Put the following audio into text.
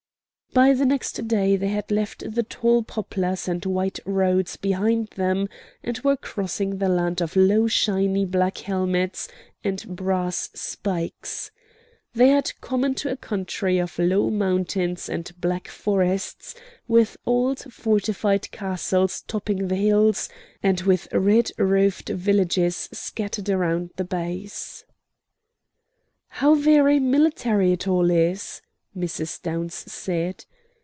By the next day they had left the tall poplars and white roads behind them, and were crossing the land of low shiny black helmets and brass spikes. They had come into a country of low mountains and black forests, with old fortified castles topping the hills, and with red roofed villages scattered around the base. "How very military it all is!" Mrs. Downs said.